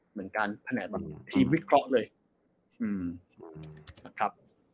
เหมือนการแผนกแบบทีมวิเคราะห์เลยนะครับ